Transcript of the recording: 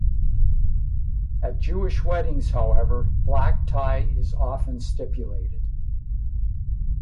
At Jewish weddings, however, black tie is often stipulated.